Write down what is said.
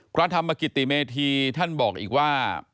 พระธรรมกิติเมธีท่านบอกอีกว่า